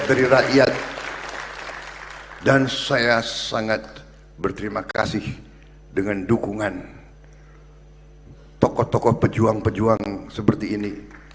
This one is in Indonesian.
dan saya sangat berterima kasih dengan dukungan tokoh tokoh pejuang pejuang seperti ini